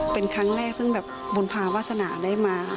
เป็นครั้งแรกซึ่งแบบบุญภาวาสนาได้มา